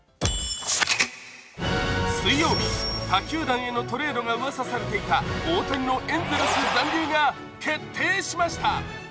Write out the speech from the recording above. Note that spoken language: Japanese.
水曜日他球団へのトレードがうわさされていた、大谷のエンゼルスが残留が確定しました。